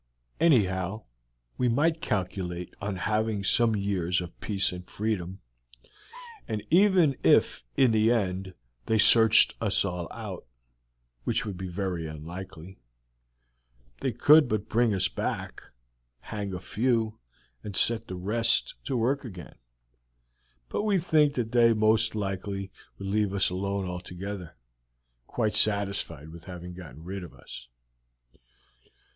Anyhow, we might calculate on having some years of peace and freedom, and even if in the end they searched us all out, which would be very unlikely, they could but bring us back, hang a few, and set the rest to work again; but we think that they would most likely leave us alone altogether, quite satisfied with having got rid of us."